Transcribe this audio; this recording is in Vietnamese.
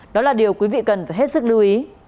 đó là điều quý vị cần phải hết sức lưu ý